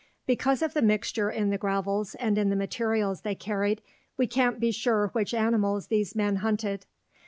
Because of the mixture in the gravels and in the materials they carried, we can't be sure which animals these men hunted.